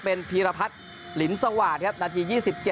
เป็นพีรพัฒน์ลินสวาสครับนาที๒๗